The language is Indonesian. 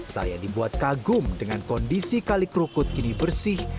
saya dibuat kagum dengan kondisi kali kerukut kini bersih